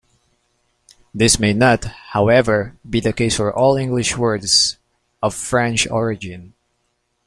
This may not, however, be the case for all English words of French origin.